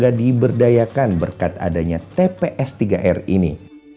yang diberdayakan berkat adanya tps tiga r ini